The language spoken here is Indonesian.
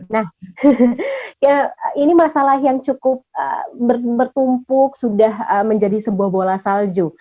nah ini masalah yang cukup bertumpuk sudah menjadi sebuah bola salju